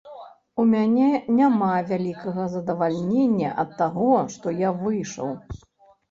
У мяне няма вялікага задавальнення ад таго, што я выйшаў.